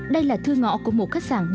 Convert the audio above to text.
đây là thư ngõ của một khách sạn